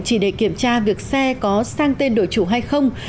chỉ để kiểm tra việc xe có sang tên đổi chủ hay không